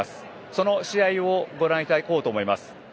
その試合をご覧いただこうと思います。